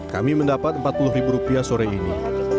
kami mendapat rp empat puluh sore ini